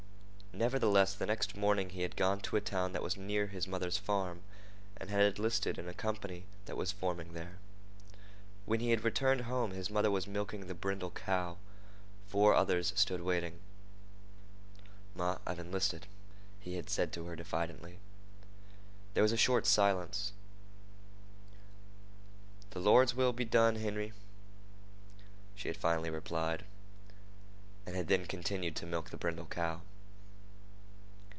Nevertheless, the next morning he had gone to a town that was near his mother's farm and had enlisted in a company that was forming there. When he had returned home his mother was milking the brindle cow. Four others stood waiting. "Ma, I've enlisted," he had said to her diffidently. There was a short silence. "The Lord's will be done, Henry," she had finally replied, and had then continued to milk the brindle cow.